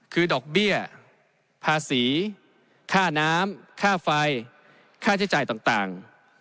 คือดอกเบี้ยภาษีค่าน้ำค่าไฟค่าใช้จ่ายต่าง